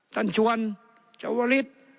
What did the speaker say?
ท่านชวนเจ้าวริส